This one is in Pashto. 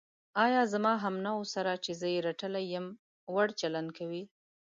ایا زما همنوعو سره چې زه یې رټلی یم، وړ چلند کوې.